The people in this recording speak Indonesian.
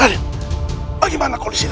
sang tuhan avenger